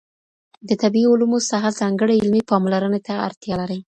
د طبیعي علومو ساحه ځانګړې علمي پاملرنې ته اړتیا لري.